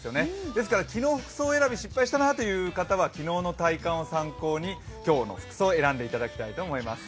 ですから昨日、服装選び、失敗したなという方は昨日の体感を参考に今日の服装を選んでいただきたいと思います。